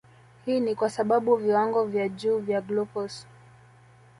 Hii ni kwa sababu viwango vya juu vya glucose